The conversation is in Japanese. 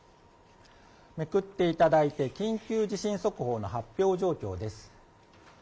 めくっていただいて、緊急地震速報の発表状況です。